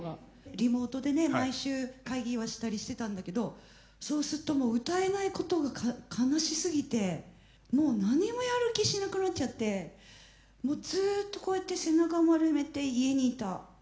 リモートでね毎週会議はしたりしてたんだけどそうすっともう歌えないことが悲しすぎてもう何もやる気しなくなっちゃってもうずっとこうやって背中丸めて家にいた。